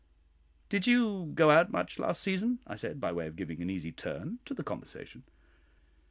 "Did you go out much last season?" I said, by way of giving an easy turn to the conversation.